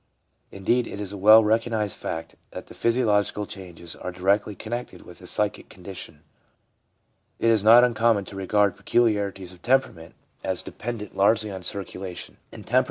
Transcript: Indeed, it is a well recognised fact that the physiological changes are directly connected with the psychic condition. It is not uncommon to regard peculiarities of temperament as dependent largely on circulation, 1 and temperament 1 P.